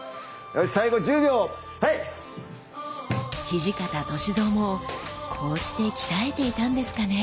土方歳三もこうして鍛えていたんですかね？